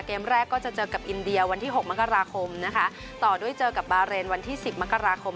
เกมแรกก็จะเจอกับอินเดียวันที่๖มกราคมนะคะต่อด้วยเจอกับบาเรนวันที่สิบมกราคม